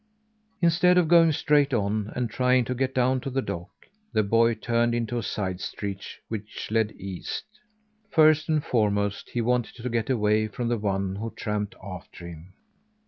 Instead of going straight on, and trying to get down to the dock, the boy turned into a side street which led east. First and foremost, he wanted to get away from the one who tramped after him.